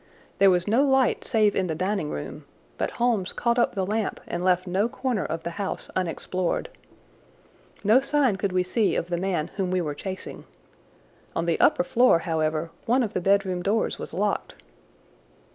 There was no light save in the dining room, but Holmes caught up the lamp and left no corner of the house unexplored. No sign could we see of the man whom we were chasing. On the upper floor, however, one of the bedroom doors was locked.